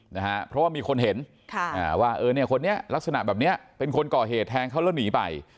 นะฮะเพราะว่ามีคนเห็นว่าเออเนี่ยคนนี้ลักษณะแบบเนี้ยเป็นคนก่อเหตุแทงเขาแล้วหนีไป